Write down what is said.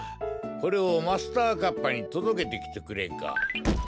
これをマスターカッパーにとどけてきてくれんか？